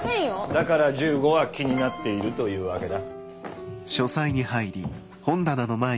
だから十五は気になっているというわけだ。